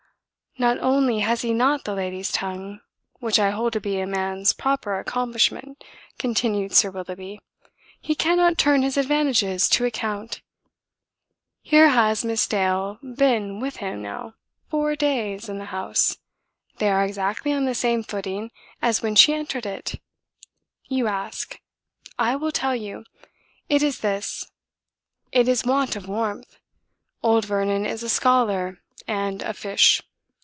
"Not only has he not the lady's tongue, which I hold to be a man's proper accomplishment," continued Sir Willoughby, "he cannot turn his advantages to account. Here has Miss Dale been with him now four days in the house. They are exactly on the same footing as when she entered it. You ask? I will tell you. It is this: it is want of warmth. Old Vernon is a scholar and a fish.